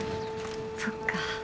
そっか。